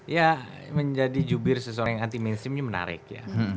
ya menjadi jubir seseorang yang anti mainstreamnya menarik ya